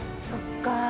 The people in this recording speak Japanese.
そっか。